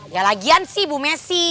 ya lagian sih bu messi